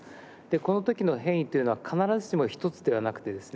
この時の変異というのは必ずしも一つではなくてですね